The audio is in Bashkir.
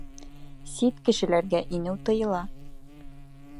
Сит кешеләргә инеү тыйыла